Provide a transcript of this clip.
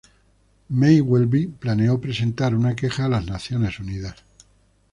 May-Welby planeó presentar una queja a las Naciones Unidas.